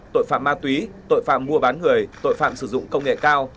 tội phạm ma túy tội phạm mua bán người tội phạm sử dụng công nghệ cao